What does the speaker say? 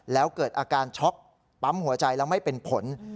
แล้วเกิดอาการช็อกปั๊มหัวใจแล้วไม่เป็นผล